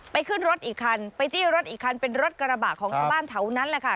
ขึ้นรถอีกคันไปจี้รถอีกคันเป็นรถกระบะของชาวบ้านแถวนั้นแหละค่ะ